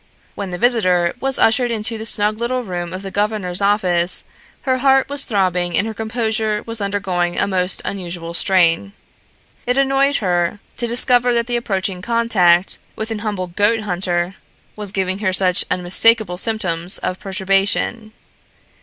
When the visitor was ushered into the snug little room of the governor's office, her heart was throbbing and her composure was undergoing a most unusual strain. It annoyed her to discover that the approaching contact with an humble goat hunter was giving her such unmistakable symptoms of perturbation.